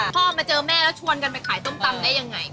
พ่อมาเจอแม่แล้วชวนกันไปขายส้มตำได้ยังไง